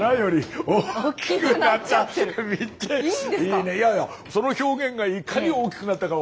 いやいやその表現がいかに大きくなったかを。